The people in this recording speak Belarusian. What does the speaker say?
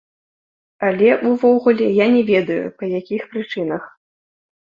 Але, увогуле, я не ведаю, па якіх прычынах.